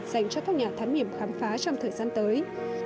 dành cho các nhà thám hiểm khám phá trong thời gian tới